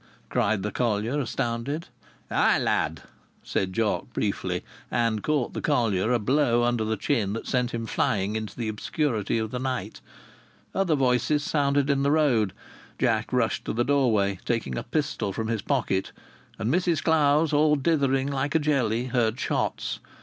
cried the collier, astounded. "Ay, lad!" said Jock, briefly. And caught the collier a blow under the chin that sent him flying into the obscurity of the night. Other voices sounded in the road. Jock rushed to the doorway, taking a pistol from his pocket. And Mrs Clowes, all dithering like a jelly, heard shots.